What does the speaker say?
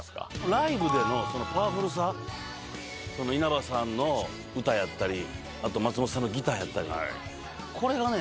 ライブでのそのパワフルさ稲葉さんの歌やったりあと松本さんのギターやったりこれがね